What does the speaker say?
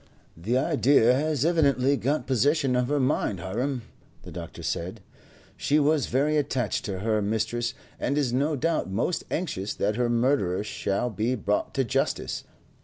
"The idea has evidently got possession of her mind, Hiram," the doctor said. "She was very attached to her mistress, and is no doubt most anxious that her murderer shall be brought to justice.